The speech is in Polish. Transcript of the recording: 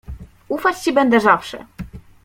"Ufać ci będę zawsze."